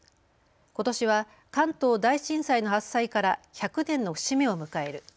ことしは関東大震災の発災から１００年の節目を迎える。